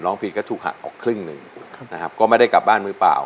ผิดก็ถูกหักออกครึ่งหนึ่งนะครับก็ไม่ได้กลับบ้านมือเปล่า